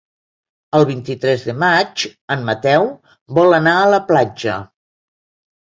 El vint-i-tres de maig en Mateu vol anar a la platja.